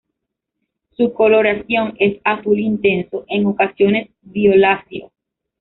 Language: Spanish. Su coloración es azul intenso, en ocasiones violáceo.